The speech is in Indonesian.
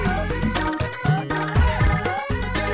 tapi bapak mau makan sama scha lor